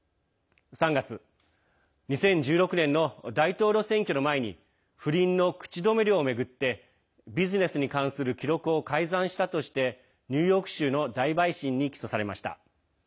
３月２０１６年の大統領選挙の前に不倫の口止め料を巡ってビジネスに関する記録を改ざんしたとしてニューヨーク州の大陪審に起訴されました。